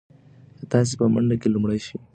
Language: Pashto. که تاسي په منډه کې لومړی شئ نو د سرو زرو مډال ګټئ.